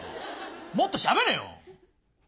もっとしゃべれよ！